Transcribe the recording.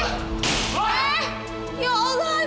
ya allah andre jangan